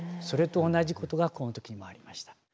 それと同じことがこの時にもありました。